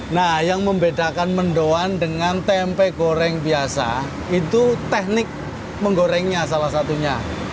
nah yang membedakan mendoan dengan tempe goreng biasa itu teknik menggorengnya salah satunya